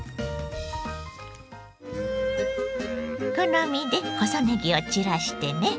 好みで細ねぎを散らしてね。